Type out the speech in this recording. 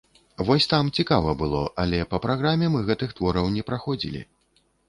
Вось там цікава было, але па праграме мы гэтых твораў не праходзілі.